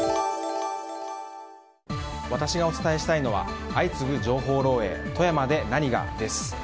私がお伝えしたいのは相次ぐ情報漏洩富山で何が？です。